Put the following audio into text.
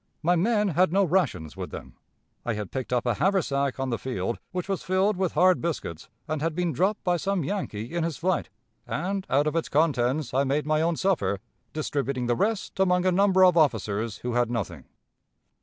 My men had no rations with them. I had picked up a haversack on the field, which was filled with hard biscuits, and had been dropped by some Yankee in his flight, and out of its contents I made my own supper, distributing the rest among a number of officers who had nothing.